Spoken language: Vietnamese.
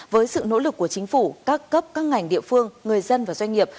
với sự nỗ lực của chính phủ các cấp các ngành địa phương người dân và doanh nghiệp